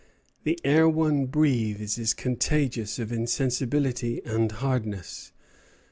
The air one breathes is contagious of insensibility and hardness."